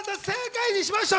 正解！